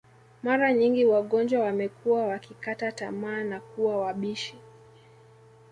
Mara nyingi wagonjwa wamekuwa wakikata tamaa na kuwa wabishi